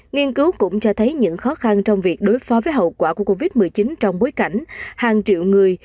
nghiên cứu cũng cho thấy những khó khăn trong việc đối phó với hậu quả của covid một mươi chín trong bối cảnh hàng triệu người